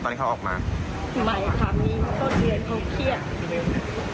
ให้เขาออกมาไม่ค่ะมีต้นเดือนเขาเครียด